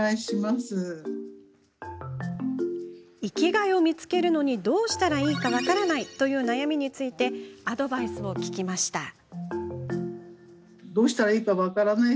生きがいを見つけるのにどうしたらいいか分からないという悩みについてアドバイスを聞きました。